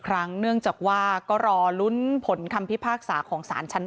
ครั้งเนื่องจากว่าก็รอลุ้นผลคำพิพากษาของสารชั้น๘